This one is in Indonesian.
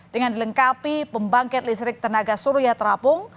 dengan dilengkapi pembangkit listrik tenaga surya terapung